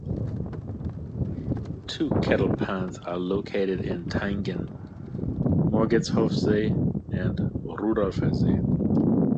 Two kettle ponds are located in Thayngen: Morgetshofsee and Rudolfersee.